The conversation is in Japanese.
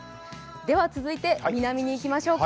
続いて南に行きましょうか。